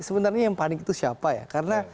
sebenarnya yang panik itu siapa ya karena